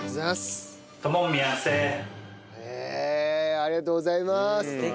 ありがとうございます。